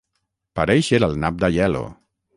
Parèixer el nap d'Aielo.